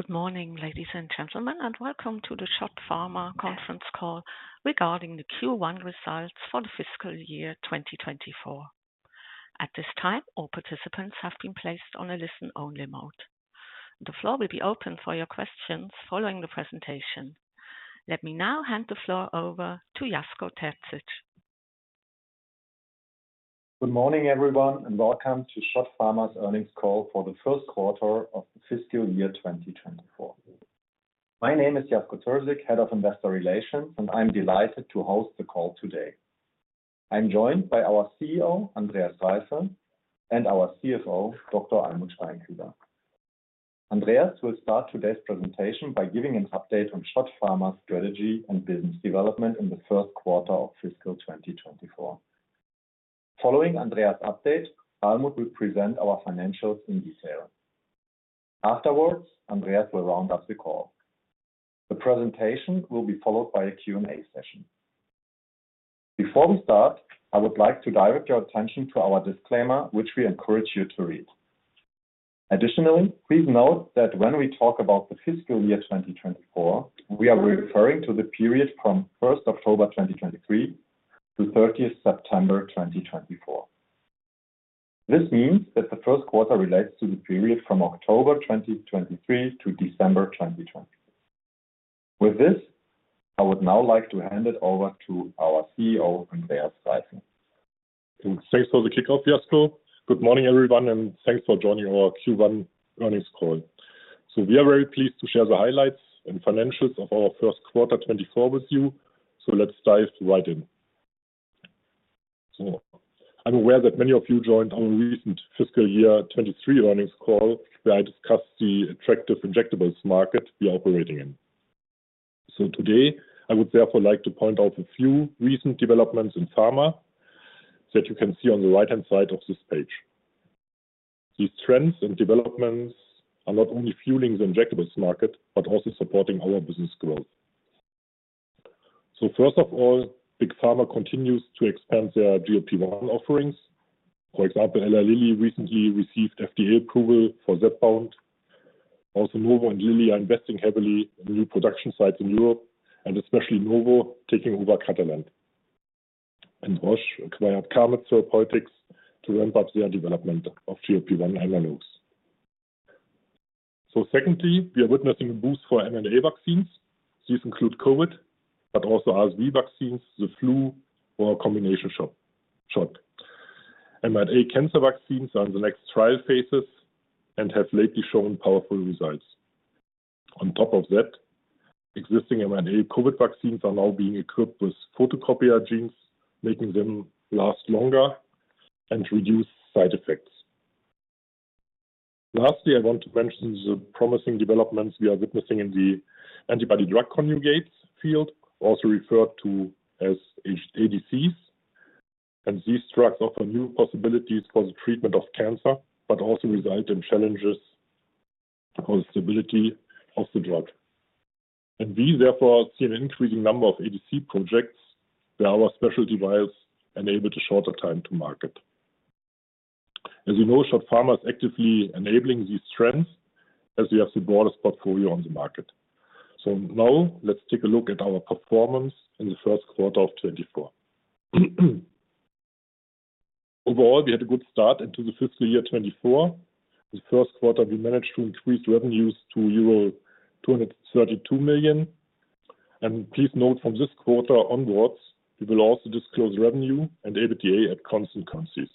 Good morning, ladies and gentlemen, and welcome to the SCHOTT Pharma Conference Call regarding the Q1 Results for the Fiscal Year 2024. At this time, all participants have been placed on a listen-only mode. The floor will be open for your questions following the presentation. Let me now hand the floor over to Jasko Terzic. Good morning, everyone, and welcome to SCHOTT Pharma's earnings call for the Q1 of the fiscal year 2024. My name is Jasko Terzic, Head of Investor Relations, and I'm delighted to host the call today. I'm joined by our CEO, Andreas Reisse, and our CFO, Dr. Almuth Steinkühler. Andreas will start today's presentation by giving an update on SCHOTT Pharma's strategy and business development in the Q1 of fiscal 2024. Following Andreas' update, Almuth will present our financials in detail. Afterwards, Andreas will round up the call. The presentation will be followed by a Q&A session. Before we start, I would like to direct your attention to our disclaimer, which we encourage you to read. Additionally, please note that when we talk about the fiscal year 2024, we are referring to the period from 1 October 2023 to 30 September 2024. This means that the Q1 relates to the period from October 2023 to December 2026. With this, I would now like to hand it over to our CEO, Andreas Reisse. Thanks for the kickoff, Jasko. Good morning, everyone, and thanks for joining our Q1 earnings call. We are very pleased to share the highlights and financials of our Q1 2024 with you. Let's dive right in. I'm aware that many of you joined our recent fiscal year 2023 earnings call, where I discussed the attractive injectables market we are operating in. Today, I would therefore like to point out a few recent developments in pharma that you can see on the right-hand side of this page. These trends and developments are not only fueling the injectables market but also supporting our business growth. First of all, Big Pharma continues to expand their GLP-1 offerings. For example, Eli Lilly recently received FDA approval for Zepbound. Also, Novo and Lilly are investing heavily in new production sites in Europe, and especially Novo taking over Catalent. Roche acquired Carmot Therapeutics to ramp up their development of GLP-1 analogs. Secondly, we are witnessing a boost for mRNA vaccines. These include COVID, but also RSV vaccines, the flu, or a combination shot. mRNA cancer vaccines are in the next trial phases and have lately shown powerful results. On top of that, existing mRNA COVID vaccines are now being equipped with replicase genes, making them last longer and reduce side effects. Lastly, I want to mention the promising developments we are witnessing in the antibody-drug conjugates field, also referred to as ADCs. These drugs offer new possibilities for the treatment of cancer but also result in challenges for the stability of the drug. We therefore see an increasing number of ADC projects where our special device enables a shorter time to market. As you know, SCHOTT Pharma is actively enabling these trends as we have the broadest portfolio on the market. So now let's take a look at our performance in the Q1 of 2024. Overall, we had a good start into the fiscal year 2024. In the Q1, we managed to increase revenues to euro 232 million. Please note, from this quarter onwards, we will also disclose revenue and EBITDA at constant currencies.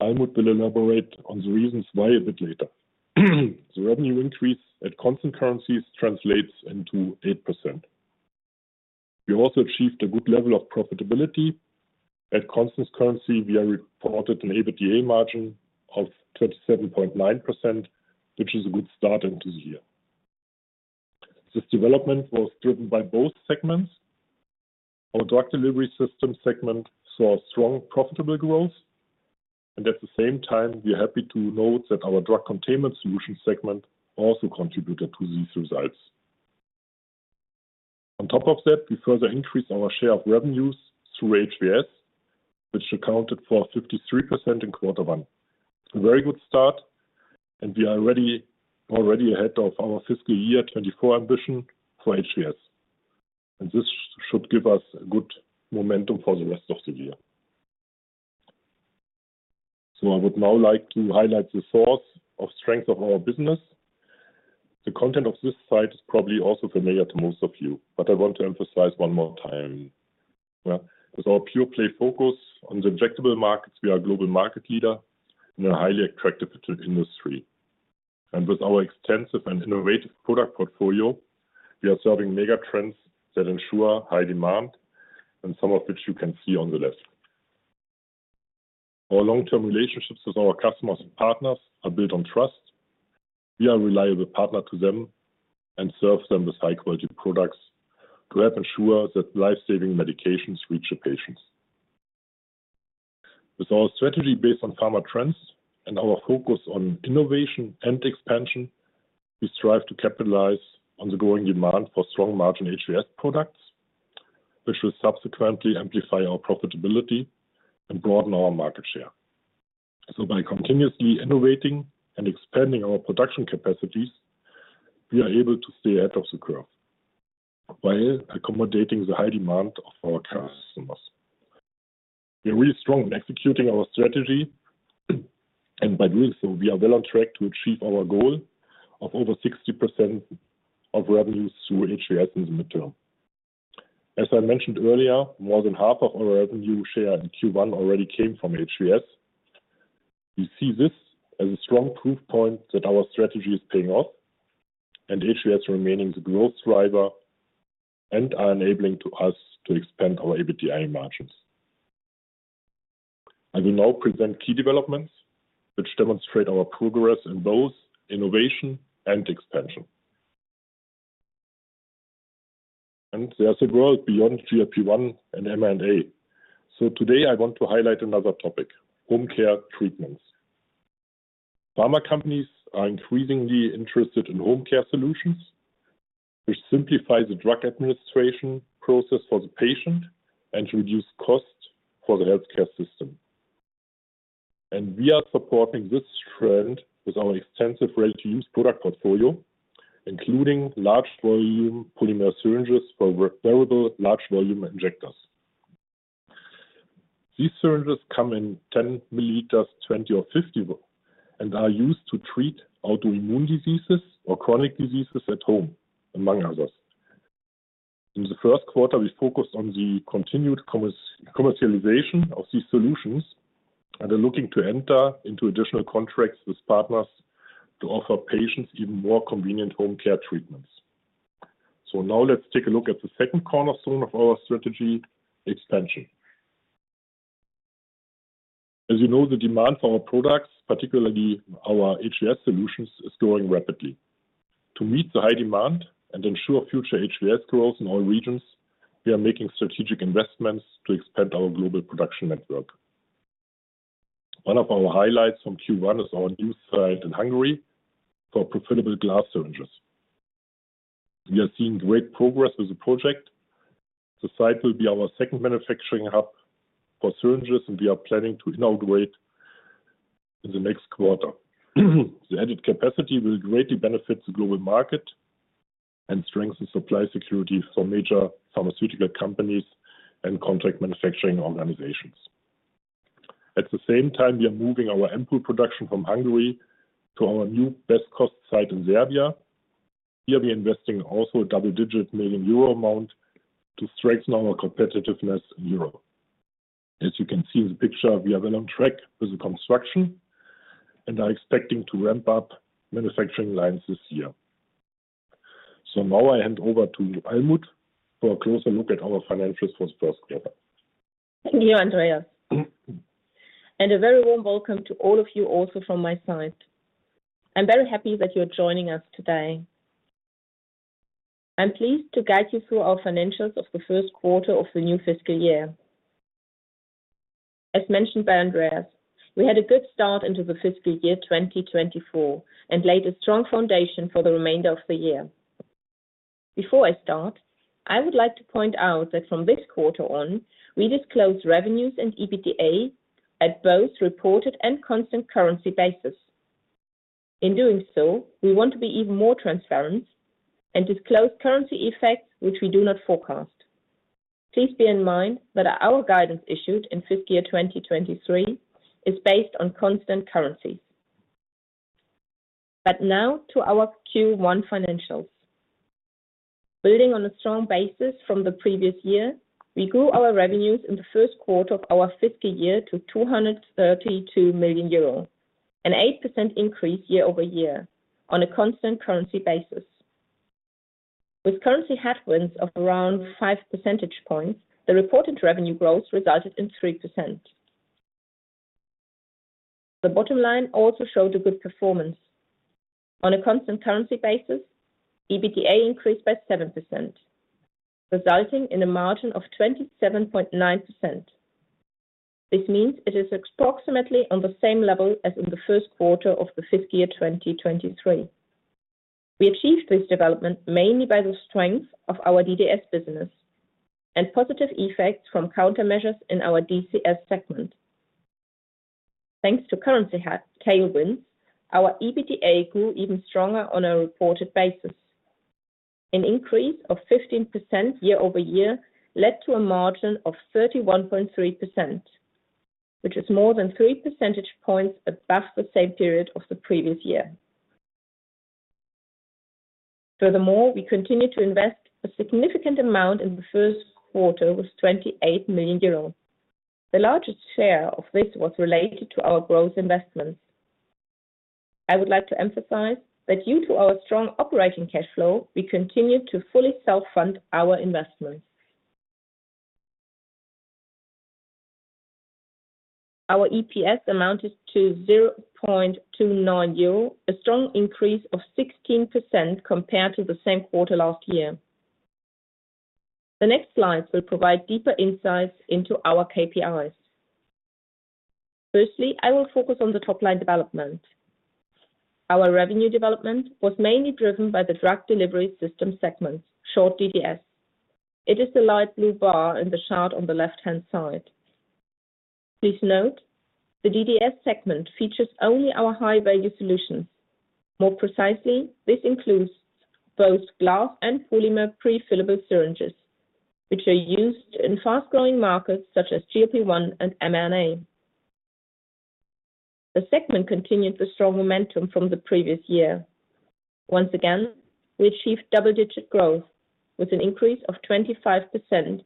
Almuth will elaborate on the reasons why a bit later. The revenue increase at constant currencies translates into 8%. We also achieved a good level of profitability. At constant currency, we reported an EBITDA margin of 37.9%, which is a good start into the year. This development was driven by both segments. Our Drug Delivery System segment saw strong profitable growth. At the same time, we are happy to note that our Drug Containment Solutions segment also contributed to these results. On top of that, we further increased our share of revenues through HVS, which accounted for 53% in quarter one. A very good start. We are already ahead of our fiscal year 2024 ambition for HVS. This should give us good momentum for the rest of the year. I would now like to highlight the source of strength of our business. The content of this slide is probably also familiar to most of you, but I want to emphasize one more time. With our pure-play focus on the injectable markets, we are a global market leader in a highly attractive industry. With our extensive and innovative product portfolio, we are serving megatrends that ensure high demand, and some of which you can see on the left. Our long-term relationships with our customers and partners are built on trust. We are a reliable partner to them and serve them with high-quality products to help ensure that life-saving medications reach the patients. With our strategy based on pharma trends and our focus on innovation and expansion, we strive to capitalize on the growing demand for strong margin HVS products, which will subsequently amplify our profitability and broaden our market share. So by continuously innovating and expanding our production capacities, we are able to stay ahead of the curve while accommodating the high demand of our customers. We are really strong in executing our strategy. By doing so, we are well on track to achieve our goal of over 60% of revenues through HVS in the midterm. As I mentioned earlier, more than half of our revenue share in Q1 already came from HVS. We see this as a strong proof point that our strategy is paying off and HVS remaining the growth driver and are enabling us to expand our EBITDA margins. I will now present key developments which demonstrate our progress in both innovation and expansion. There's a world beyond GLP-1 and mRNA. Today, I want to highlight another topic, home care treatments. Pharma companies are increasingly interested in home care solutions, which simplify the drug administration process for the patient and reduce costs for the healthcare system. We are supporting this trend with our extensive ready-to-use product portfolio, including large-volume polymer syringes for wearable large-volume injectors. These syringes come in 10 milliliters, 20, or 50, and are used to treat autoimmune diseases or chronic diseases at home, among others. In the Q1, we focused on the continued commercialization of these solutions and are looking to enter into additional contracts with partners to offer patients even more convenient home care treatments. So now let's take a look at the second cornerstone of our strategy, expansion. As you know, the demand for our products, particularly our HVS solutions, is growing rapidly. To meet the high demand and ensure future HVS growth in all regions, we are making strategic investments to expand our global production network. One of our highlights from Q1 is our new site in Hungary for prefillable glass syringes. We are seeing great progress with the project. The site will be our second manufacturing hub for syringes, and we are planning to inaugurate in the next quarter. The added capacity will greatly benefit the global market and strengthen supply security for major pharmaceutical companies and contract manufacturing organizations. At the same time, we are moving our ampoule production from Hungary to our new best-cost site in Serbia. Here, we are investing also a double-digit million EUR amount to strengthen our competitiveness in Europe. As you can see in the picture, we are well on track with the construction, and I'm expecting to ramp up manufacturing lines this year. Now I hand over to Almuth for a closer look at our financials for the Q1. Thank you, Andreas. A very warm welcome to all of you also from my side. I'm very happy that you're joining us today. I'm pleased to guide you through our financials of the Q1 of the new fiscal year. As mentioned by Andreas, we had a good start into the fiscal year 2024 and laid a strong foundation for the remainder of the year. Before I start, I would like to point out that from this quarter on, we disclose revenues and EBITDA at both reported and constant currency basis. In doing so, we want to be even more transparent and disclose currency effects, which we do not forecast. Please be in mind that our guidance issued in fiscal year 2023 is based on constant currencies. Now to our Q1 financials. Building on a strong basis from the previous year, we grew our revenues in the Q1 of our fiscal year to 232 million euro, an 8% increase year over year on a constant currency basis. With currency headwinds of around 5 percentage points, the reported revenue growth resulted in 3%. The bottom line also showed a good performance. On a constant currency basis, EBITDA increased by 7%, resulting in a margin of 27.9%. This means it is approximately on the same level as in the Q1 of the fiscal year 2023. We achieved this development mainly by the strength of our DDS business and positive effects from countermeasures in our DCS segment. Thanks to currency tailwinds, our EBITDA grew even stronger on a reported basis. An increase of 15% year-over-year led to a margin of 31.3%, which is more than 3 percentage points above the same period of the previous year. Furthermore, we continue to invest a significant amount in the Q1 with 28 million euros. The largest share of this was related to our growth investments. I would like to emphasize that due to our strong operating cash flow, we continue to fully self-fund our investments. Our EPS amounted to 0.29 euro, a strong increase of 16% compared to the same quarter last year. The next slides will provide deeper insights into our KPIs. Firstly, I will focus on the top-line development. Our revenue development was mainly driven by the Drug Delivery System segment, short DDS. It is the light blue bar in the chart on the left-hand side. Please note, the DDS segment features only our high-value solutions. More precisely, this includes both glass and polymer prefillable syringes, which are used in fast-growing markets such as GLP-1 and mRNA. The segment continued the strong momentum from the previous year. Once again, we achieved double-digit growth with an increase of 25%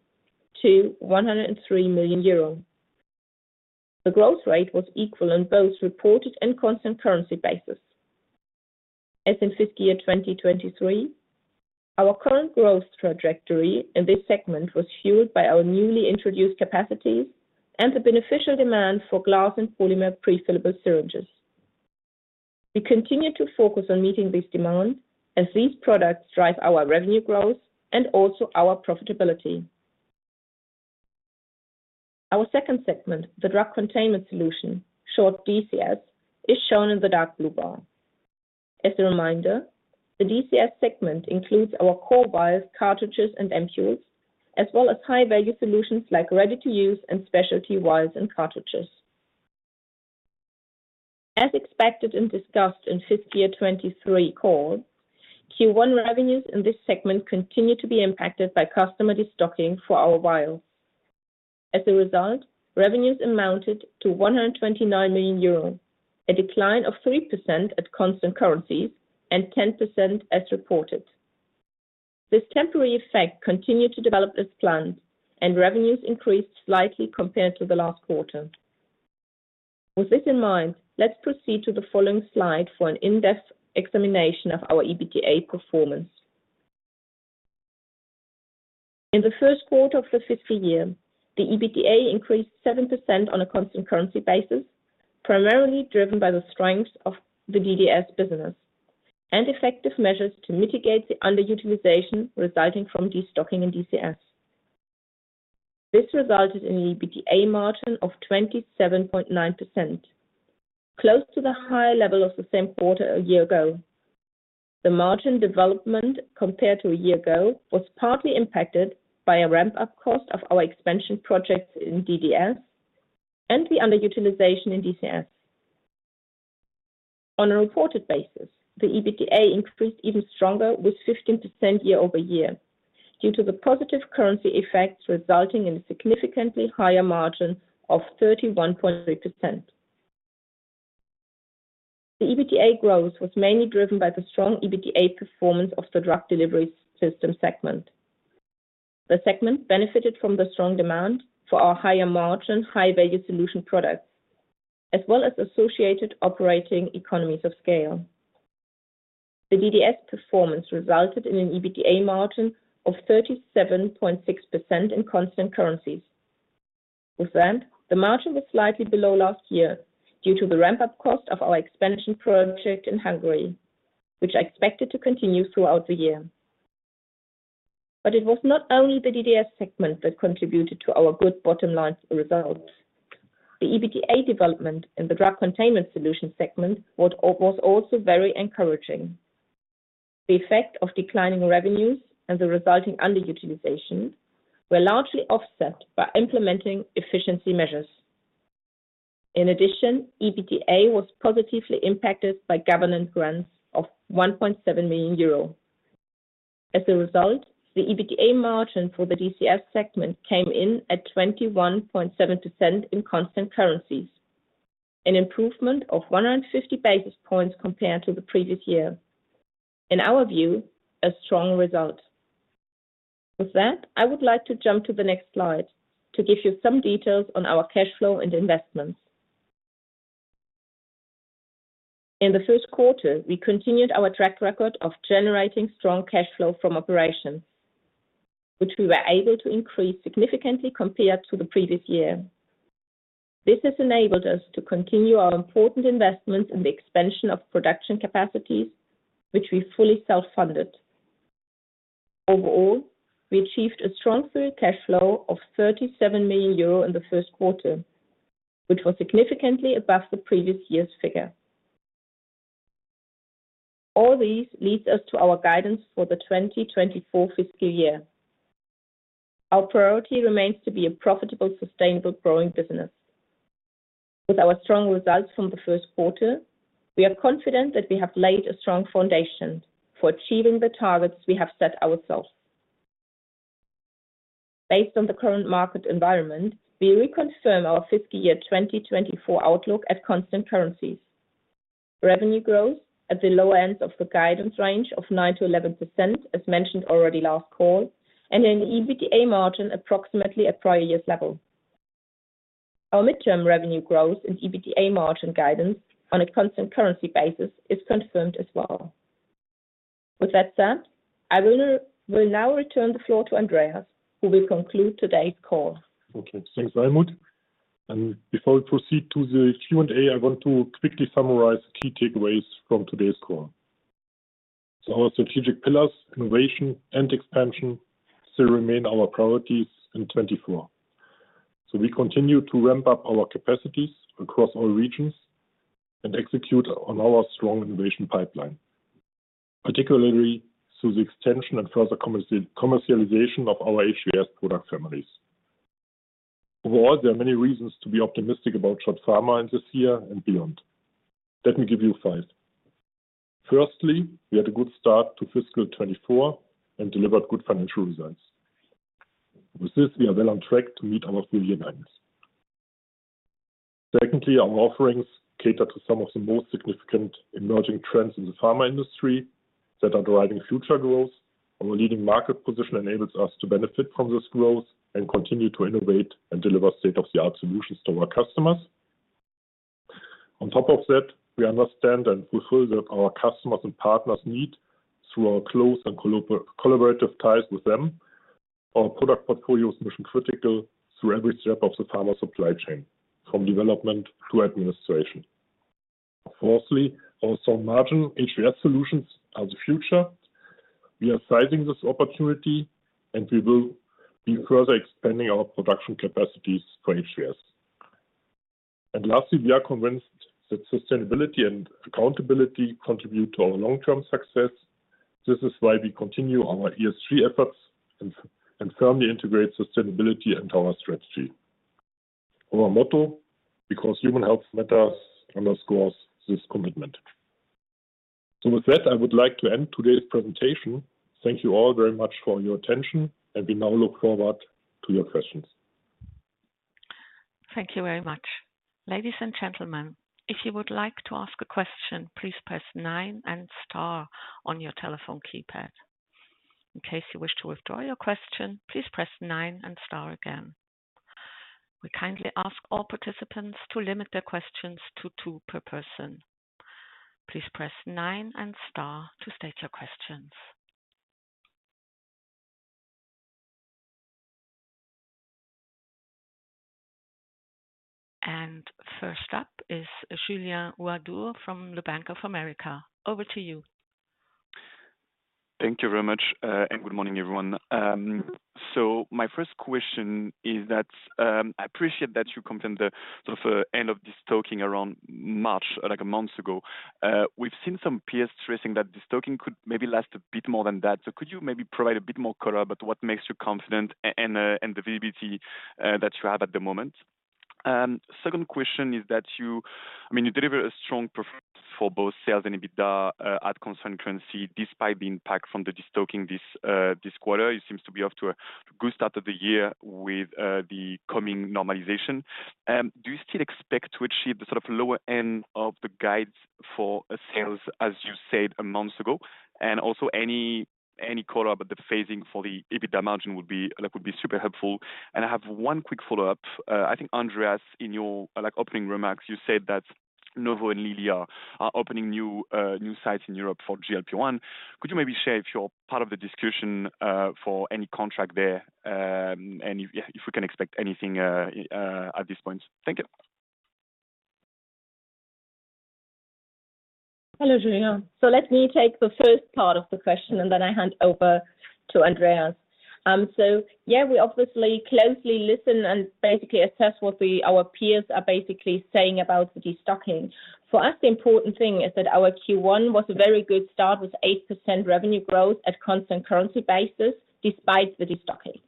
to 103 million euros. The growth rate was equal on both reported and constant currency basis. As in fiscal year 2023, our current growth trajectory in this segment was fueled by our newly introduced capacities and the beneficial demand for glass and polymer prefillable syringes. We continue to focus on meeting this demand as these products drive our revenue growth and also our profitability. Our second segment, the Drug Containment Solutions, short DCS, is shown in the dark blue bar. As a reminder, the DCS segment includes our core vials, cartridges, and ampoules, as well as high-value solutions like ready-to-use and specialty vials and cartridges. As expected and discussed in fiscal year 2023 call, Q1 revenues in this segment continue to be impacted by customer destocking for our vials. As a result, revenues amounted to 129 million euros, a decline of 3% at constant currencies and 10% as reported. This temporary effect continued to develop as planned, and revenues increased slightly compared to the last quarter. With this in mind, let's proceed to the following slide for an in-depth examination of our EBITDA performance. In the Q1 of the fiscal year, the EBITDA increased 7% on a constant currency basis, primarily driven by the strength of the DDS business and effective measures to mitigate the underutilization resulting from destocking in DCS. This resulted in an EBITDA margin of 27.9%, close to the high level of the same quarter a year ago. The margin development compared to a year ago was partly impacted by a ramp-up cost of our expansion projects in DDS and the underutilization in DCS. On a reported basis, the EBITDA increased even stronger with 15% year-over-year due to the positive currency effects resulting in a significantly higher margin of 31.3%. The EBITDA growth was mainly driven by the strong EBITDA performance of the Drug Delivery System segment. The segment benefited from the strong demand for our higher-margin, high-value solution products, as well as associated operating economies of scale. The DDS performance resulted in an EBITDA margin of 37.6% in constant currencies. With that, the margin was slightly below last year due to the ramp-up cost of our expansion project in Hungary, which I expected to continue throughout the year. It was not only the DDS segment that contributed to our good bottom-line results. The EBITDA development in the drug containment solution segment was also very encouraging. The effect of declining revenues and the resulting underutilization were largely offset by implementing efficiency measures. In addition, EBITDA was positively impacted by government grants of 1.7 million euro. As a result, the EBITDA margin for the DCS segment came in at 21.7% in constant currencies, an improvement of 150 basis points compared to the previous year. In our view, a strong result. With that, I would like to jump to the next slide to give you some details on our cash flow and investments. In the Q1, we continued our track record of generating strong cash flow from operations, which we were able to increase significantly compared to the previous year. This has enabled us to continue our important investments in the expansion of production capacities, which we fully self-funded. Overall, we achieved a strong free cash flow of 37 million euro in the Q1, which was significantly above the previous year's figure. All these lead us to our guidance for the 2024 fiscal year. Our priority remains to be a profitable, sustainable, growing business. With our strong results from the Q1, we are confident that we have laid a strong foundation for achieving the targets we have set ourselves. Based on the current market environment, we reconfirm our fiscal year 2024 outlook at constant currencies, revenue growth at the lower ends of the guidance range of 9%-11% as mentioned already last call, and an EBITDA margin approximately at prior year's level. Our midterm revenue growth in EBITDA margin guidance on a constant currency basis is confirmed as well. With that said, I will now return the floor to Andreas, who will conclude today's call. Okay. Thanks, Almuth. And before we proceed to the Q&A, I want to quickly summarize key takeaways from today's call. So our strategic pillars, innovation and expansion, still remain our priorities in 2024. So we continue to ramp up our capacities across all regions and execute on our strong innovation pipeline, particularly through the extension and further commercialization of our HVS product families. Overall, there are many reasons to be optimistic about SCHOTT Pharma in this year and beyond. Let me give you five. Firstly, we had a good start to fiscal 2024 and delivered good financial results. With this, we are well on track to meet our full year guidance. Secondly, our offerings cater to some of the most significant emerging trends in the pharma industry that are driving future growth. Our leading market position enables us to benefit from this growth and continue to innovate and deliver state-of-the-art solutions to our customers. On top of that, we understand and fulfill that our customers and partners need through our close and collaborative ties with them. Our product portfolio is mission-critical through every step of the pharma supply chain, from development to administration. Fourthly, our strong-margin HVS solutions are the future. We are seizing this opportunity, and we will be further expanding our production capacities for HVS. And lastly, we are convinced that sustainability and accountability contribute to our long-term success. This is why we continue our ESG efforts and firmly integrate sustainability into our strategy. Our motto, "Because human health matters," underscores this commitment. So with that, I would like to end today's presentation. Thank you all very much for your attention, and we now look forward to your questions. Thank you very much. Ladies and gentlemen, if you would like to ask a question, please press nine and star on your telephone keypad. In case you wish to withdraw your question, please press nine and star again. We kindly ask all participants to limit their questions to two per person. Please press nine and star to state your questions. And first up is Julien Ouaddour from Bank of America. Over to you. Thank you very much. And good morning, everyone. So my first question is that I appreciate that you confirmed the sort of end of destocking around March, like a month ago. We've seen some peers saying that destocking could maybe last a bit more than that. So could you maybe provide a bit more color about what makes you confident and the visibility that you have at the moment? Second question is that you I mean, you deliver a strong performance for both sales and EBITDA at constant currency despite the impact from the destocking this quarter. You seem to be off to a good start of the year with the coming normalization. Do you still expect to achieve the sort of lower end of the guides for sales, as you said a month ago? And also, any color about the phasing for the EBITDA margin would be super helpful. I have one quick follow-up. I think, Andreas, in your opening remarks, you said that Novo and Lilly are opening new sites in Europe for GLP-1. Could you maybe share, if you're part of the discussion, for any contract there and if we can expect anything at this point? Thank you. Hello, Julien. So let me take the first part of the question, and then I hand over to Andreas. So yeah, we obviously closely listen and basically assess what our peers are basically saying about the destocking. For us, the important thing is that our Q1 was a very good start with 8% revenue growth at constant currency basis despite the destocking.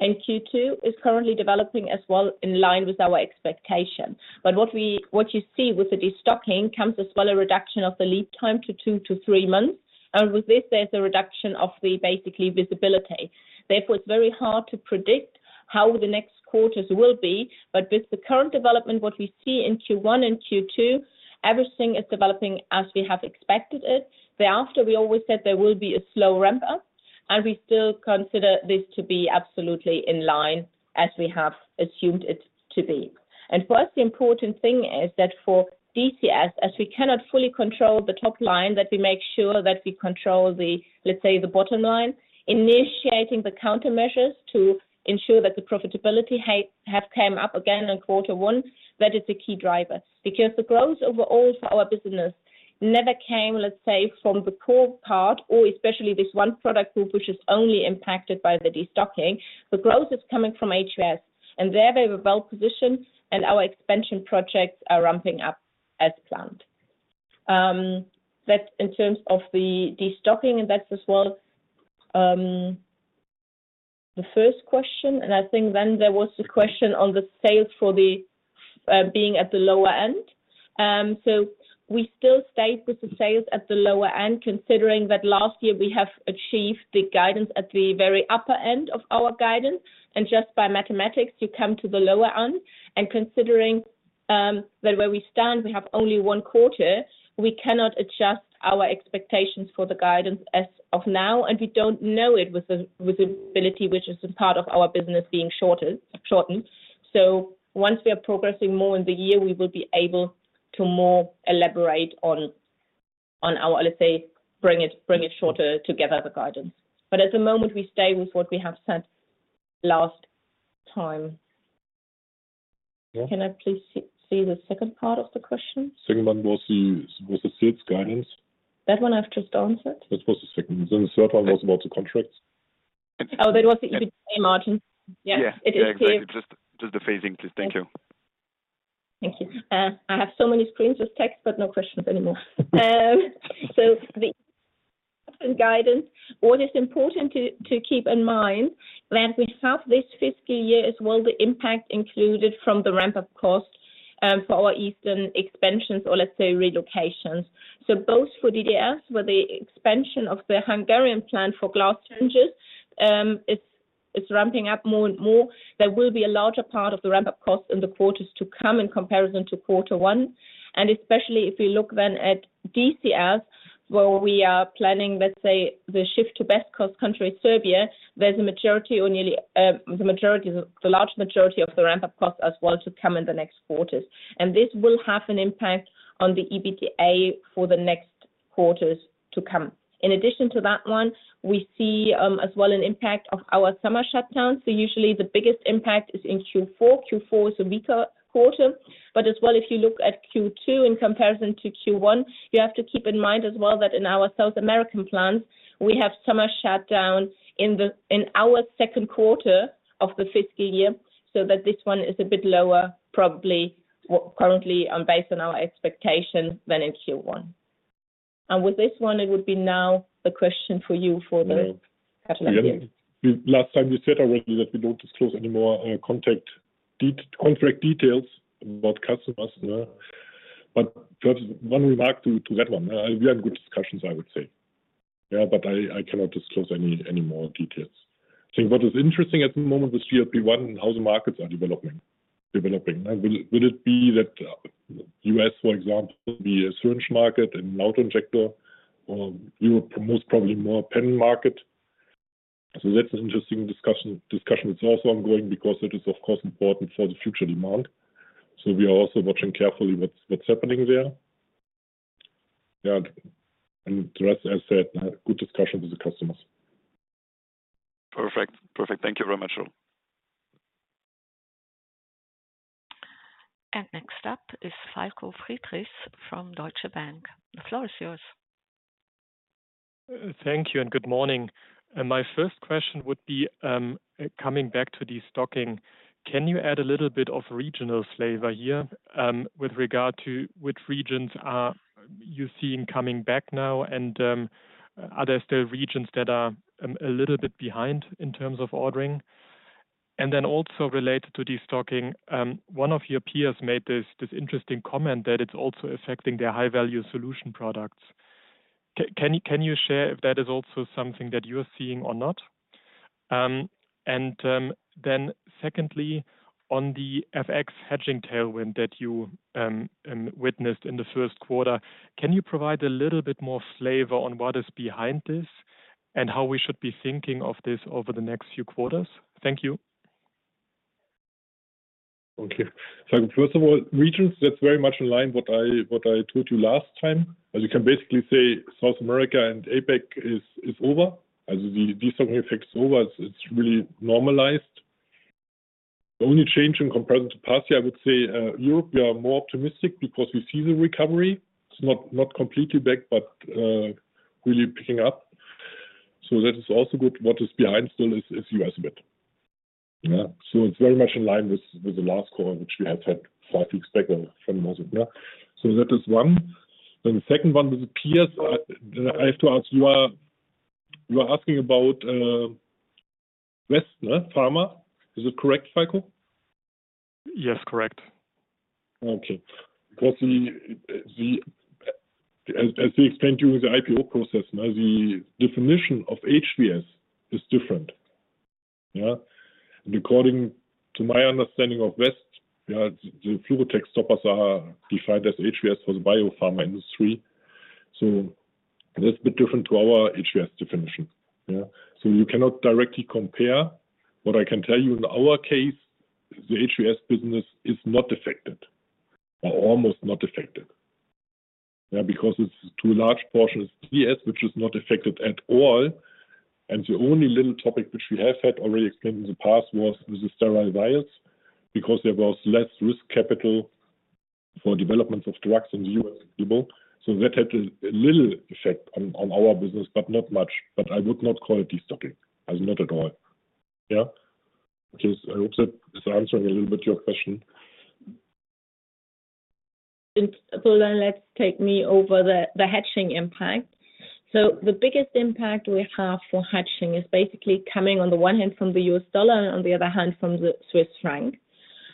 And Q2 is currently developing as well in line with our expectation. But what you see with the destocking comes as well a reduction of the lead time to two to three months. And with this, there's a reduction of the basically visibility. Therefore, it's very hard to predict how the next quarters will be. But with the current development, what we see in Q1 and Q2, everything is developing as we have expected it. Thereafter, we always said there will be a slow ramp-up, and we still consider this to be absolutely in line as we have assumed it to be. And for us, the important thing is that for DCS, as we cannot fully control the top line, that we make sure that we control the, let's say, the bottom line. Initiating the countermeasures to ensure that the profitability has come up again in quarter one, that is a key driver because the growth overall for our business never came, let's say, from the core part, or especially this one product group which is only impacted by the destocking. The growth is coming from HVS, and there they were well positioned, and our expansion projects are ramping up as planned. That's in terms of the destocking, and that's as well the first question. I think then there was a question on the sales being at the lower end. We still stayed with the sales at the lower end considering that last year we have achieved the guidance at the very upper end of our guidance. Just by mathematics, you come to the lower end. Considering that where we stand, we have only one quarter, we cannot adjust our expectations for the guidance as of now, and we don't know it with the visibility, which is part of our business being shortened. Once we are progressing more in the year, we will be able to more elaborate on our, let's say, bring it shorter together, the guidance. At the moment, we stay with what we have said last time. Can I please see the second part of the question? Second one was the sales guidance? That one I've just answered. That was the second. Then the third one was about the contracts. Oh, that was the EBITDA margin. Yeah. It is still. Yeah. Just the phasing, please. Thank you. Thank you. I have so many screens with text, but no questions anymore. So the constant guidance, what is important to keep in mind that we have this fiscal year as well, the impact included from the ramp-up cost for our eastern expansions or, let's say, relocations. So both for DDS, where the expansion of the Hungarian plant for glass syringes is ramping up more and more, there will be a larger part of the ramp-up cost in the quarters to come in comparison to quarter one. And especially if we look then at DCS, where we are planning, let's say, the shift to best-cost country, Serbia, there's a majority or nearly the majority, the large majority of the ramp-up cost as well to come in the next quarters. And this will have an impact on the EBITDA for the next quarters to come. In addition to that one, we see as well an impact of our summer shutdowns. So usually, the biggest impact is in Q4. Q4 is a weaker quarter. But as well, if you look at Q2 in comparison to Q1, you have to keep in mind as well that in our South American plants, we have summer shutdown in our Q2 of the fiscal year, so that this one is a bit lower, probably currently based on our expectation than in Q1. And with this one, it would be now the question for you for the Carmot deal. Last time, you said already that we don't disclose any more contract details about customers. But perhaps one remark to that one. We are in good discussions, I would say. Yeah, but I cannot disclose any more details. I think what is interesting at the moment with GLP-1 and how the markets are developing. Will it be that the U.S., for example, be a syringe market and auto injector, or Europe promotes probably more pen market? So that's an interesting discussion that's also ongoing because it is, of course, important for the future demand. So we are also watching carefully what's happening there. Yeah. And the rest, as said, good discussion with the customers. Perfect. Perfect. Thank you very much, Reisse. Next up is Falko Friedrichs from Deutsche Bank. The floor is yours. Thank you and good morning. My first question would be coming back to destocking. Can you add a little bit of regional flavor here with regard to which regions are you seeing coming back now, and are there still regions that are a little bit behind in terms of ordering? And then also related to destocking, one of your peers made this interesting comment that it's also affecting their High-Value Solution products. Can you share if that is also something that you are seeing or not? And then secondly, on the FX hedging tailwind that you witnessed in the Q1, can you provide a little bit more flavor on what is behind this and how we should be thinking of this over the next few quarters? Thank you. Thank you. First of all, regions, that's very much in line with what I told you last time. You can basically say South America and APEC is over. The destocking effect is over. It's really normalized. The only change in comparison to past year, I would say Europe, we are more optimistic because we see the recovery. It's not completely back, but really picking up. So that is also good. What is behind still is U.S. a bit. Yeah. So it's very much in line with the last call, which we have had five weeks back from Novo. So that is one. Then the second one with the peers, I have to ask, you are asking about West Pharma. Is it correct, Falco? Yes, correct. Okay. Because as they explained during the IPO process, the definition of HVS is different. Yeah. And according to my understanding of West, the FluroTec stoppers are defined as HVS for the biopharma industry. So that's a bit different to our HVS definition. Yeah. So you cannot directly compare. What I can tell you, in our case, the HVS business is not affected or almost not affected. Yeah, because it's too large a portion of DCS, which is not affected at all. And the only little topic which we have had already explained in the past was with the sterile vials because there was less risk capital for developments of drugs in the U.S. and global. So that had a little effect on our business, but not much. But I would not call it destocking. Not at all. Yeah. Okay. I hope that is answering a little bit your question. Paul, then let's take me over the hedging impact. So the biggest impact we have for hedging is basically coming on the one hand from the U.S. dollar and on the other hand from the Swiss franc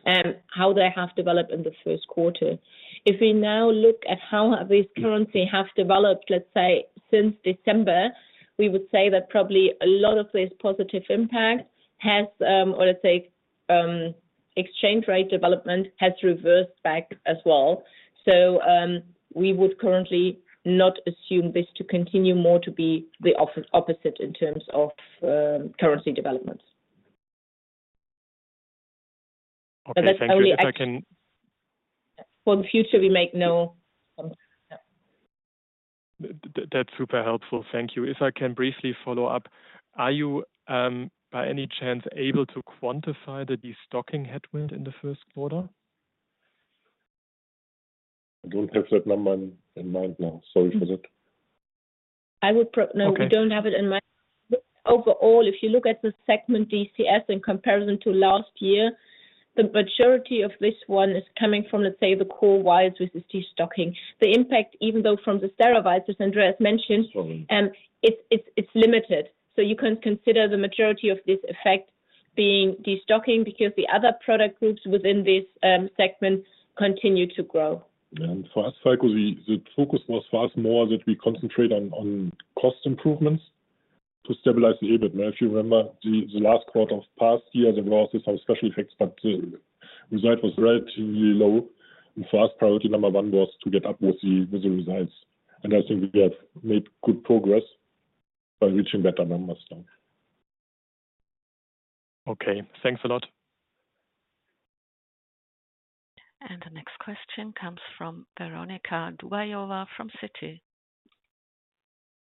and how they have developed in the Q1. If we now look at how these currencies have developed, let's say, since December, we would say that probably a lot of this positive impact has, or let's say, exchange rate development has reversed back as well. So we would currently not assume this to continue more to be the opposite in terms of currency developments. Okay. Thank you. And that's only. For the future, we make no comments. Yeah. That's super helpful. Thank you. If I can briefly follow up, are you, by any chance, able to quantify the destocking headwind in the Q1? I don't have that number in mind now. Sorry for that. I would no, we don't have it in mind. Overall, if you look at the segment DCS in comparison to last year, the majority of this one is coming from, let's say, the core vials with this destocking. The impact, even though from the sterile vials, as Andreas mentioned, it's limited. So you can consider the majority of this effect being destocking because the other product groups within this segment continue to grow. Yeah. And for us, Falco, the focus was for us more that we concentrate on cost improvements to stabilize the EBIT. If you remember the last quarter of past year, there were also some special effects, but the result was relatively low. And for us, priority number one was to get up with the results. And I think we have made good progress by reaching better numbers now. Okay. Thanks a lot. The next question comes from Veronika Dubajova from Citi.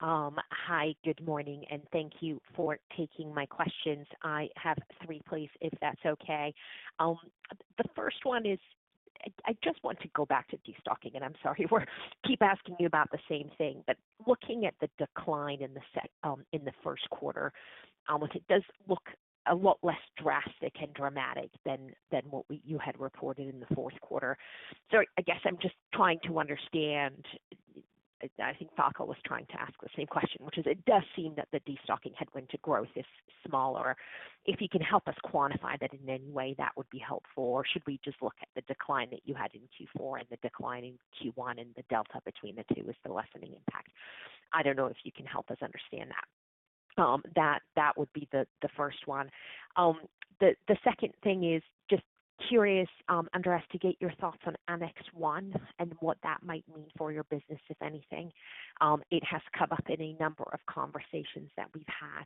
Hi. Good morning. Thank you for taking my questions. I have three, please, if that's okay. The first one is I just want to go back to destocking, and I'm sorry. We keep asking you about the same thing. Looking at the decline in the Q1, it does look a lot less drastic and dramatic than what you had reported in the Q4. I guess I'm just trying to understand. I think Falco was trying to ask the same question, which is it does seem that the destocking headwind to growth is smaller. If you can help us quantify that in any way, that would be helpful. Or should we just look at the decline that you had in Q4 and the decline in Q1 and the delta between the two as the lessening impact? I don't know if you can help us understand that. That would be the first one. The second thing is just curious, Andreas, to get your thoughts on Annex 1 and what that might mean for your business, if anything. It has come up in a number of conversations that we've had.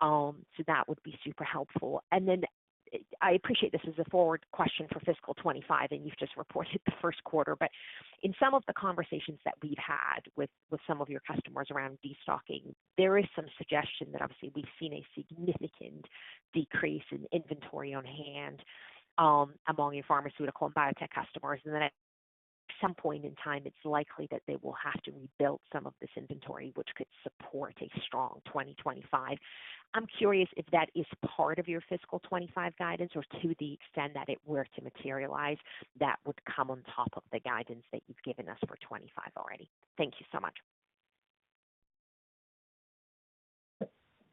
So that would be super helpful. And then I appreciate this as a forward question for fiscal 2025, and you've just reported the Q1. But in some of the conversations that we've had with some of your customers around destocking, there is some suggestion that obviously we've seen a significant decrease in inventory on hand among your pharmaceutical and biotech customers. And then at some point in time, it's likely that they will have to rebuild some of this inventory, which could support a strong 2025. I'm curious if that is part of your fiscal 2025 guidance, or to the extent that it were to materialize, that would come on top of the guidance that you've given us for 2025 already. Thank you so much.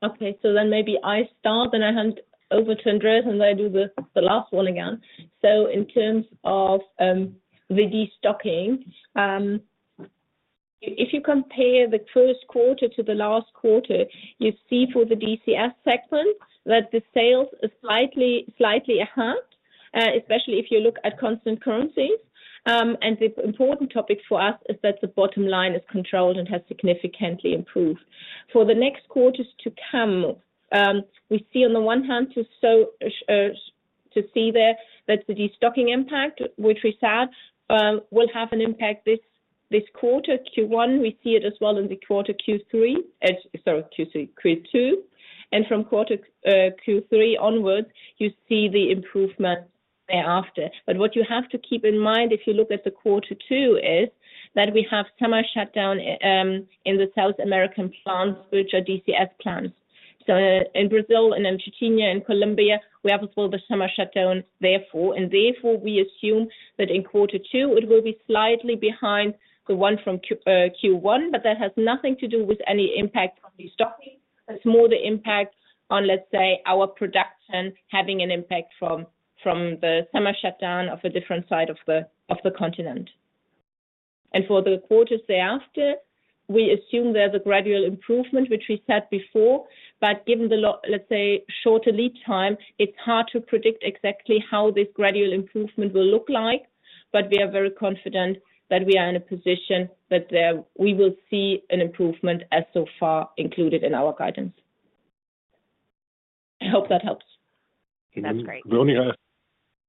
Okay. So then maybe I start, then I hand over to Andreas, and I do the last one again. So in terms of the destocking, if you compare the Q1 to the last quarter, you see for the DCS segment that the sales are slightly ahead, especially if you look at constant currencies. And the important topic for us is that the bottom line is controlled and has significantly improved. For the next quarters to come, we see on the one hand to see there that the destocking impact, which we said, will have an impact this quarter, Q1. We see it as well in the quarter Q3. Sorry, Q2. And from quarter Q3 onwards, you see the improvement thereafter. What you have to keep in mind if you look at the quarter two is that we have summer shutdown in the South American plants, which are DCS plants. In Brazil, in Argentina, in Colombia, we have as well the summer shutdown therefore. Therefore, we assume that in quarter two, it will be slightly behind the one from Q1, but that has nothing to do with any impact from destocking. It's more the impact on, let's say, our production having an impact from the summer shutdown of a different side of the continent. For the quarters thereafter, we assume there's a gradual improvement, which we said before. Given the, let's say, shorter lead time, it's hard to predict exactly how this gradual improvement will look like. We are very confident that we are in a position that we will see an improvement as so far included in our guidance. I hope that helps. That's great. Veronika,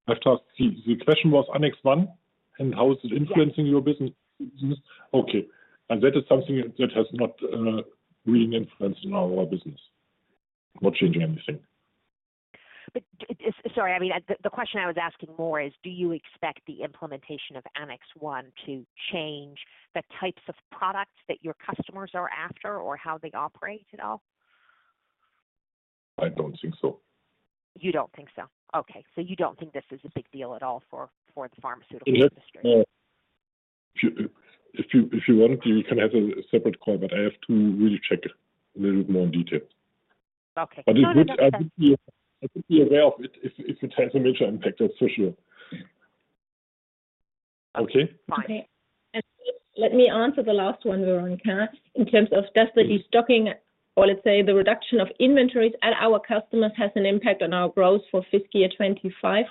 I've asked the question was Annex 1 and how is it influencing your business? Okay. And that is something that has not really influenced our business, not changing anything. Sorry. I mean, the question I was asking more is, do you expect the implementation of Annex 1 to change the types of products that your customers are after or how they operate at all? I don't think so. You don't think so? Okay. So you don't think this is a big deal at all for the pharmaceutical industry? If you want, you can have a separate call, but I have to really check it a little bit more in detail. Okay. I could be aware of it if it has a major impact. That's for sure. Okay. Fine. Okay. Let me answer the last one, Veronika, in terms of does the destocking or, let's say, the reduction of inventories at our customers have an impact on our growth for fiscal year 2025?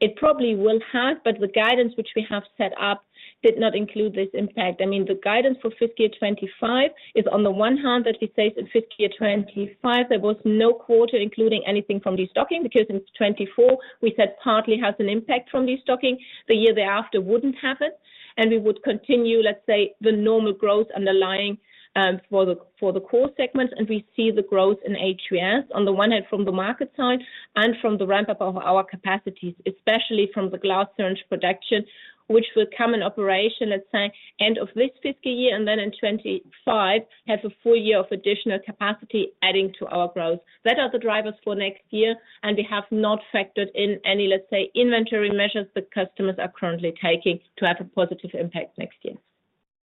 It probably will have, but the guidance which we have set up did not include this impact. I mean, the guidance for fiscal year 2025 is on the one hand that we say in fiscal year 2025, there was no quarter including anything from destocking because in 2024, we said partly has an impact from destocking. The year thereafter wouldn't have it. And we would continue, let's say, the normal growth underlying for the core segments. We see the growth in HVS on the one hand from the market side and from the ramp-up of our capacities, especially from the glass syringe production, which will come in operation, let's say, end of this fiscal year and then in 2025 have a full year of additional capacity adding to our growth. That are the drivers for next year. We have not factored in any, let's say, inventory measures the customers are currently taking to have a positive impact next year.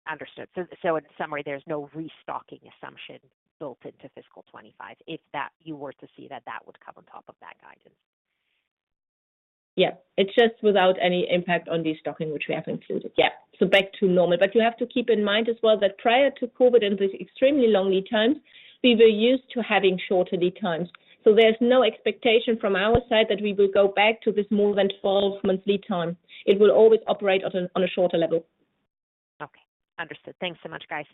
Understood. So in summary, there's no restocking assumption built into fiscal 2025 if you were to see that that would come on top of that guidance. Yeah. It's just without any impact on destocking, which we have included. Yeah. So back to normal. But you have to keep in mind as well that prior to COVID and the extremely long lead times, we were used to having shorter lead times. So there's no expectation from our side that we will go back to this more than 12-month lead time. It will always operate on a shorter level. Okay. Understood. Thanks so much, guys.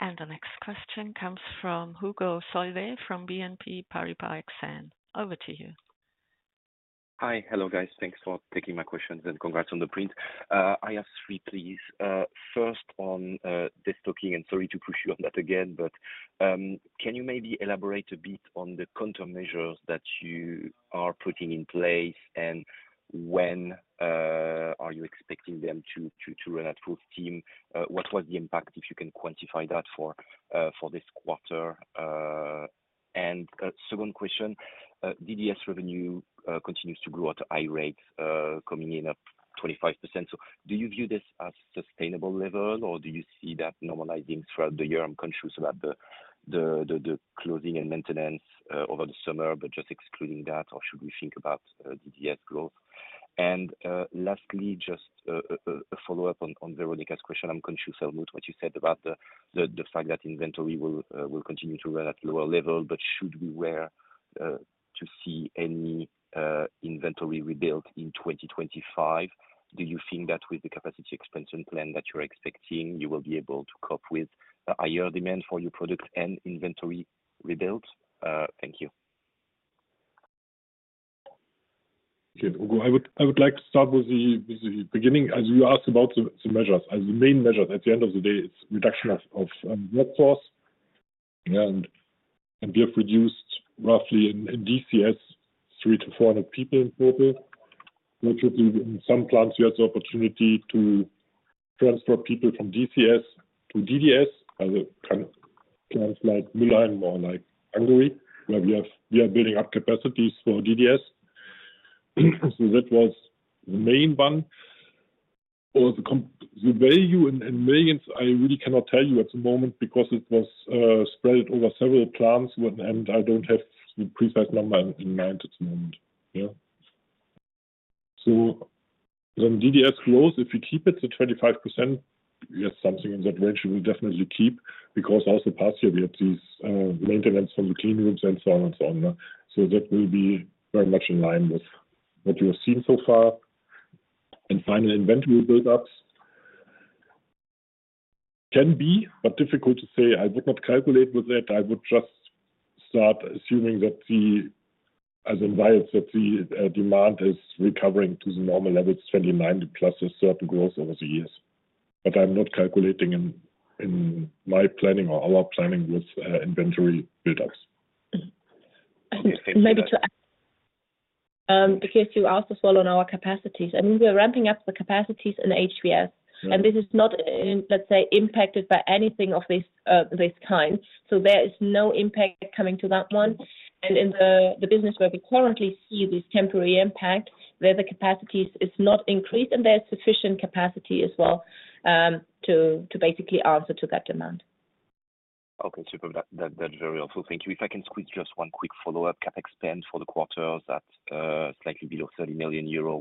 The next question comes from Hugo Solvet from BNP Paribas Exane. Over to you. Hi. Hello, guys. Thanks for taking my questions and congrats on the print. I have three, please. First on destocking, and sorry to push you on that again, but can you maybe elaborate a bit on the quantum measures that you are putting in place? And when are you expecting them to run at full steam? What was the impact, if you can quantify that, for this quarter? And second question, DDS revenue continues to grow at a high rate coming in at 25%. So do you view this as sustainable level, or do you see that normalizing throughout the year? I'm conscious about the closing and maintenance over the summer, but just excluding that, or should we think about DDS growth? And lastly, just a follow-up on Veronika's question. I'm conscious, Almuth, what you said about the fact that inventory will continue to run at lower level, but should we expect to see any inventory rebuilt in 2025? Do you think that with the capacity expansion plan that you're expecting, you will be able to cope with a higher demand for your products and inventory rebuilt? Thank you. Okay. Hugo, I would like to start with the beginning. As you asked about the measures, the main measures at the end of the day, it's reduction of workforce. Yeah. And we have reduced roughly in DCS 300-400 people in total. In some plants, we had the opportunity to transfer people from DCS to DDS, kind of plants like Müllheim or like Hungary, where we are building up capacities for DDS. So that was the main one. Or the value in millions, I really cannot tell you at the moment because it was spread over several plants, and I don't have the precise number in mind at the moment. Yeah. So then DDS growth, if we keep it at 25%, yes, something in that range we will definitely keep because also past year, we had these maintenance from the clean rooms and so on and so on. So that will be very much in line with what we have seen so far. And final inventory buildups can be, but difficult to say. I would not calculate with that. I would just start assuming that as in virus, that the demand is recovering to the normal levels, 29 plus a certain growth over the years. But I'm not calculating in my planning or our planning with inventory buildups. Maybe to add, because you asked as well on our capacities, I mean, we are ramping up the capacities in HVS. This is not, let's say, impacted by anything of this kind. There is no impact coming to that one. In the business where we currently see this temporary impact, where the capacities is not increased and there's sufficient capacity as well to basically answer to that demand. Okay. Super. That's very helpful. Thank you. If I can squeeze just one quick follow-up, CapEx spend for the quarters at slightly below 30 million euro,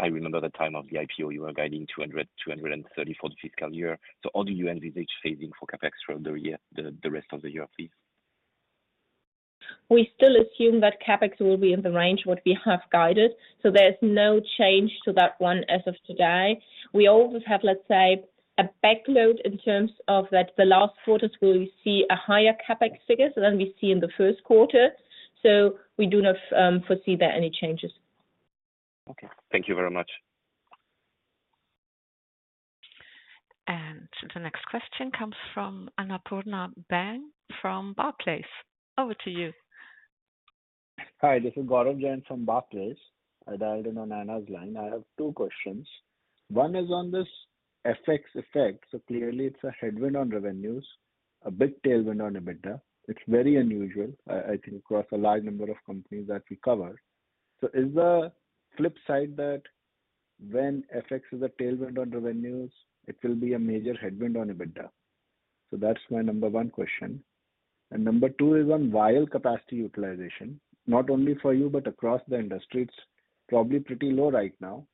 I remember the time of the IPO you were guiding 230 million for the fiscal year. So how do you envisage phasing for CapEx throughout the rest of the year, please? We still assume that CapEx will be in the range what we have guided. So there's no change to that one as of today. We always have, let's say, a backload in terms of that the last quarters will see a higher CapEx figure than we see in the Q1. So we do not foresee there any changes. Okay. Thank you very much. The next question comes from Annapurna Bang from Barclays. Over to you. Hi. This is Gaurav Jain from Barclays. I dialed in on Anna's line. I have two questions. One is on this FX effect. So clearly, it's a headwind on revenues, a big tailwind on EBITDA. It's very unusual, I think, across a large number of companies that we cover. So is the flip side that when FX is a tailwind on revenues, it will be a major headwind on EBITDA? So that's my number one question. And number two is on vial capacity utilization, not only for you, but across the industry. It's probably pretty low right now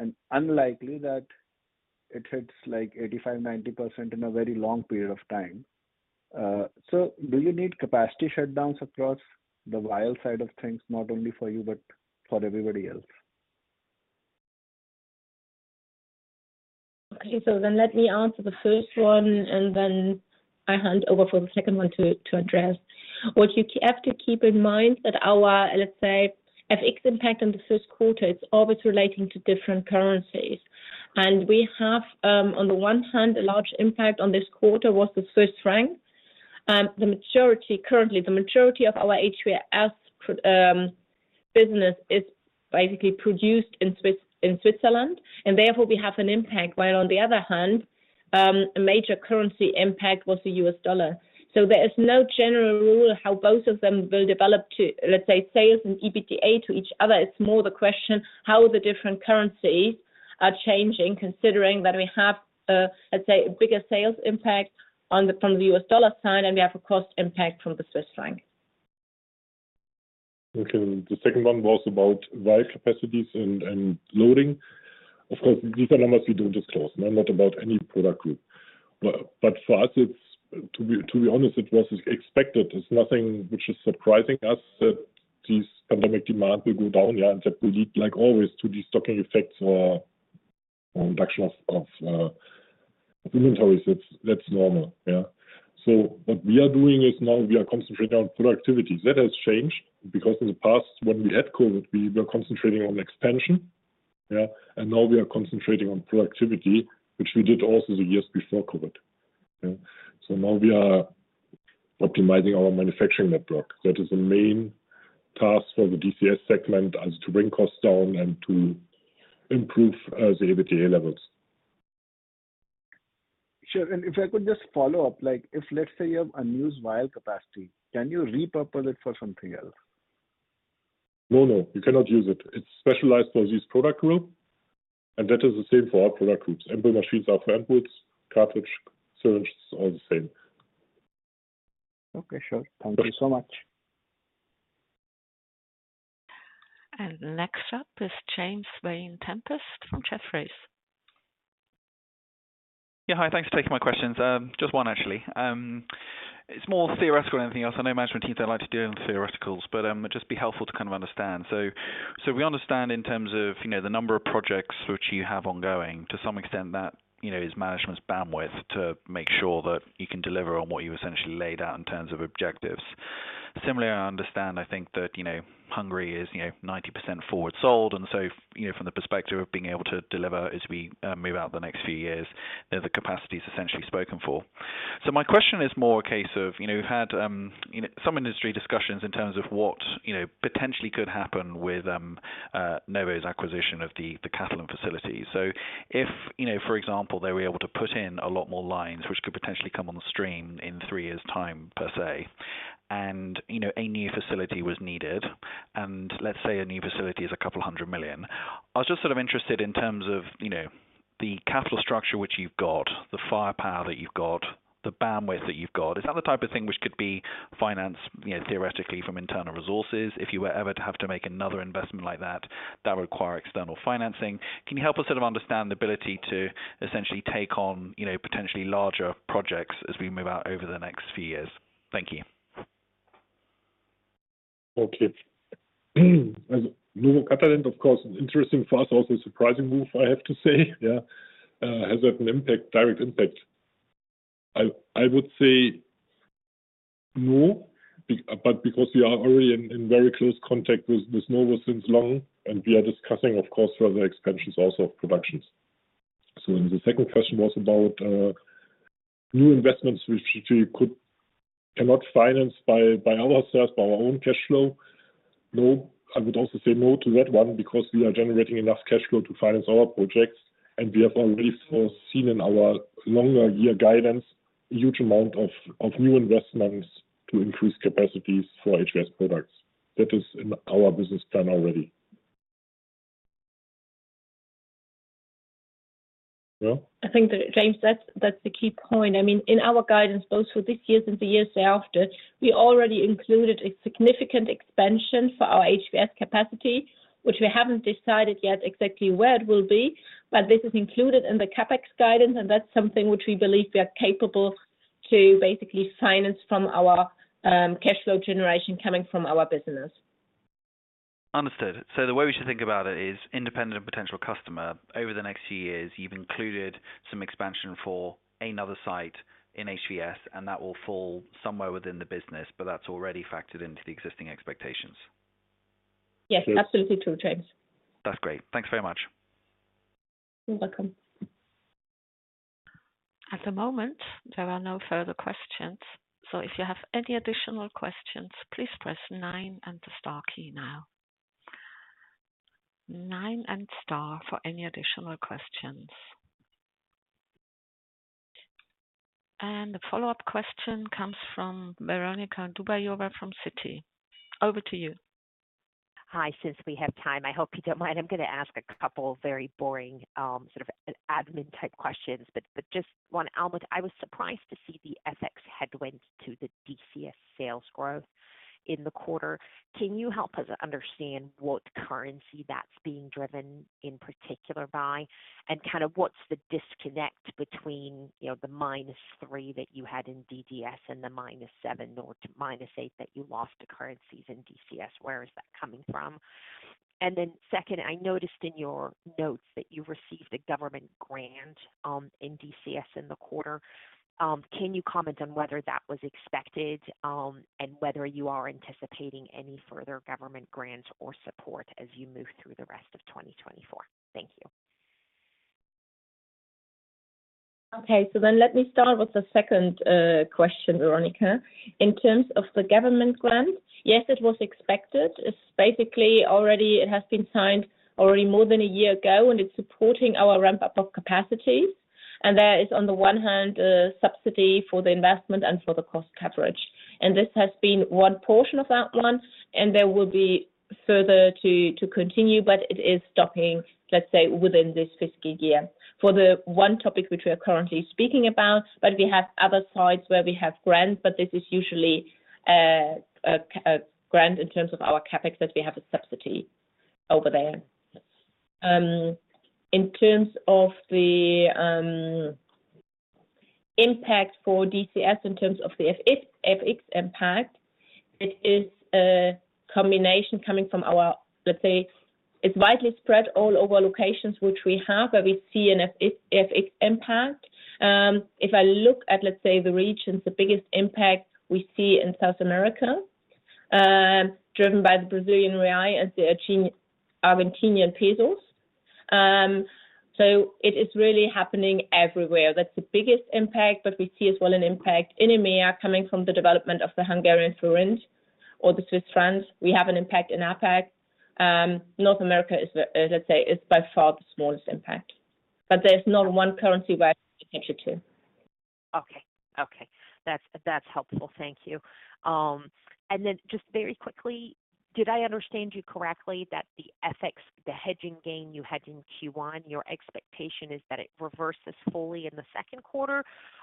and unlikely that it hits like 85%-90% in a very long period of time. So do you need capacity shutdowns across the vial side of things, not only for you, but for everybody else? Okay. So then let me answer the first one, and then I hand over for the second one to address. What you have to keep in mind that our, let's say, FX impact in the Q1, it's always relating to different currencies. And we have, on the one hand, a large impact on this quarter was the Swiss franc. Currently, the majority of our HVS business is basically produced in Switzerland. And therefore, we have an impact. While on the other hand, a major currency impact was the US dollar. So there is no general rule how both of them will develop to, let's say, sales and EBITDA to each other. It's more the question how the different currencies are changing, considering that we have, let's say, a bigger sales impact from the US dollar side, and we have a cost impact from the Swiss franc. Okay. And the second one was about vial capacities and loading. Of course, these are numbers we don't disclose, not about any product group. But for us, to be honest, it was expected. It's nothing which is surprising us that this pandemic demand will go down, yeah, and that will lead, like always, to destocking effects or reduction of inventories. That's normal. Yeah. So what we are doing is now we are concentrating on productivity. That has changed because in the past, when we had COVID, we were concentrating on expansion. Yeah. And now we are concentrating on productivity, which we did also the years before COVID. Yeah. So now we are optimizing our manufacturing network. That is the main task for the DCS segment, as to bring costs down and to improve the EBITDA levels. Sure. If I could just follow up, if, let's say, you have unused vial capacity, can you repurpose it for something else? No, no. You cannot use it. It's specialized for this product group. That is the same for all product groups. Ampoule machines are for ampoules, cartridges, syringes, all the same. Okay. Sure. Thank you so much. Next up is James Sherborne from Jefferies. Yeah. Hi. Thanks for taking my questions. Just one, actually. It's more theoretical than anything else. I know management teams don't like to do anything theoretical, but it'd just be helpful to kind of understand. So we understand in terms of the number of projects which you have ongoing, to some extent, that is management's bandwidth to make sure that you can deliver on what you essentially laid out in terms of objectives. Similarly, I understand, I think, that Hungary is 90% forward sold. And so from the perspective of being able to deliver as we move out the next few years, the capacity is essentially spoken for. So my question is more a case of we've had some industry discussions in terms of what potentially could happen with Novo's acquisition of the Catalent facility. So if, for example, they were able to put in a lot more lines, which could potentially come on stream in three years' time, per se, and a new facility was needed, and let's say a new facility is 200 million, I was just sort of interested in terms of the capital structure which you've got, the firepower that you've got, the bandwidth that you've got. Is that the type of thing which could be financed theoretically from internal resources? If you were ever to have to make another investment like that, that would require external financing. Can you help us sort of understand the ability to essentially take on potentially larger projects as we move out over the next few years? Thank you. Okay. As Novo Nordisk, of course, an interesting for us, also a surprising move, I have to say. Yeah. Has that an impact, direct impact? I would say no, but because we are already in very close contact with Novo since long, and we are discussing, of course, further expansions also of productions. So the second question was about new investments which we cannot finance by ourselves, by our own cash flow. No, I would also say no to that one because we are generating enough cash flow to finance our projects. And we have already seen in our longer-year guidance a huge amount of new investments to increase capacities for HVS products. That is in our business plan already. Yeah. I think, James, that's the key point. I mean, in our guidance, both for this year and the years thereafter, we already included a significant expansion for our HVS capacity, which we haven't decided yet exactly where it will be. But this is included in the CapEx guidance, and that's something which we believe we are capable to basically finance from our cash flow generation coming from our business. Understood. So the way we should think about it is independent and potential customer. Over the next few years, you've included some expansion for another site in HVS, and that will fall somewhere within the business, but that's already factored into the existing expectations. Yes. Absolutely true, James. That's great. Thanks very much. You're welcome. At the moment, there are no further questions. So if you have any additional questions, please press nine and the star key now. nine and star for any additional questions. And the follow-up question comes from Veronika Dubajova from Citi. Over to you. Hi. Since we have time, I hope you don't mind. I'm going to ask a couple very boring sort of admin-type questions. But just one, Almuth, I was surprised to see the FX headwind to the DCS sales growth in the quarter. Can you help us understand what currency that's being driven in particular by, and kind of what's the disconnect between the -3 that you had in DDS and the -7 or -8 that you lost to currencies in DCS? Where is that coming from? And then second, I noticed in your notes that you received a government grant in DCS in the quarter. Can you comment on whether that was expected and whether you are anticipating any further government grants or support as you move through the rest of 2024? Thank you. Okay. So then let me start with the second question, Veronika. In terms of the government grant, yes, it was expected. It has been signed already more than a year ago, and it's supporting our ramp-up of capacities. There is, on the one hand, a subsidy for the investment and for the cost coverage. This has been one portion of that one. There will be further to continue, but it is stopping, let's say, within this fiscal year for the one topic which we are currently speaking about. But we have other sites where we have grants, but this is usually a grant in terms of our CapEx that we have a subsidy over there. In terms of the impact for DCS, in terms of the FX impact, it is a combination coming from our, let's say, it's widely spread all over locations which we have where we see an FX impact. If I look at, let's say, the regions, the biggest impact we see in South America, driven by the Brazilian real and the Argentine peso. So it is really happening everywhere. That's the biggest impact. But we see as well an impact in EMEA coming from the development of the Hungarian forint or the Swiss franc. We have an impact in APAC. North America, let's say, is by far the smallest impact. But there's not one currency where I can attribute to. Okay. Okay. That's helpful. Thank you. And then just very quickly, did I understand you correctly that the FX, the hedging gain you had in Q1, your expectation is that it reverses fully in the Q2,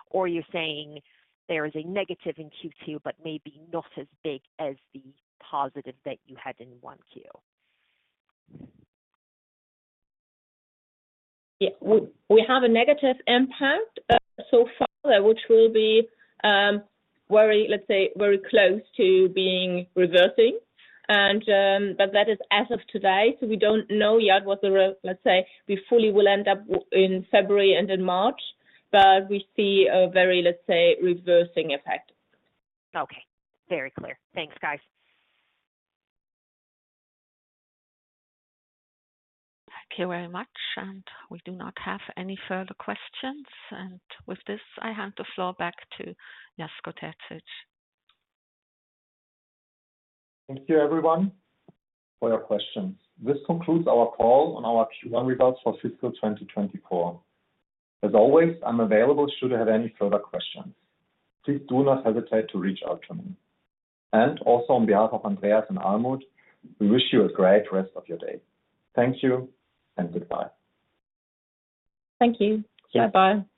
or you're saying there is a negative in Q2 but maybe not as big as the positive that you had in 1Q? Yeah. We have a negative impact so far which will be, let's say, very close to being reversing. But that is as of today. So we don't know yet what the, let's say, we fully will end up in February and in March, but we see a very, let's say, reversing effect. Okay. Very clear. Thanks, guys. Thank you very much. We do not have any further questions. With this, I hand the floor back to Jasko Terzic. Thank you, everyone, for your questions. This concludes our call on our Q1 results for fiscal 2024. As always, I'm available should you have any further questions. Please do not hesitate to reach out to me. And also on behalf of Andreas and Almuth, we wish you a great rest of your day. Thank you and goodbye. Thank you. Bye-bye.